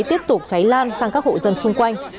tiếp tục cháy lan sang các hộ dân xung quanh